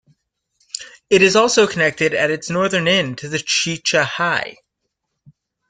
It is also connected at its northern end to the Shichahai.